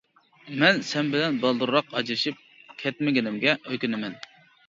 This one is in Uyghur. مەن سەن بىلەن بالدۇرراق ئاجرىشىپ كەتمىگىنىمگە ئۆكۈنىمەن.